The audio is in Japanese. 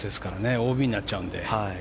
ＯＢになっちゃうので。